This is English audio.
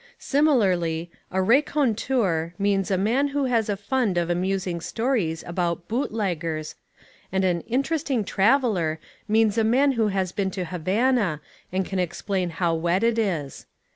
Similarly, a "raconteur" means a man who has a fund of amusing stories about "bootleggers" and an "interesting traveller" means a man who has been to Havana and can explain how wet it is.